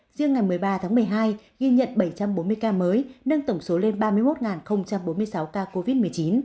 riêng ngày một mươi ba tháng một mươi hai ghi nhận bảy trăm bốn mươi ca mới nâng tổng số lên ba mươi một bốn mươi sáu ca covid một mươi chín